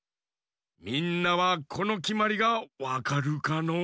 みんなはこのきまりがわかるかのう？